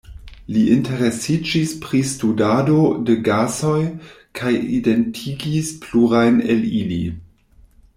Li interesiĝis pri studado de gasoj kaj identigis plurajn el ili.